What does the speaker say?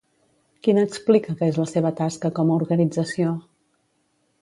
Quina explica que és la seva tasca com a organització?